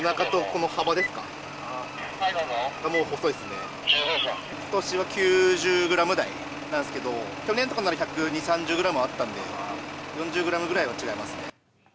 ことしは９０グラム台なんですけど、去年とかなら１２０、３０グラムぐらいあったんで、４０グラムぐらいは違いますね。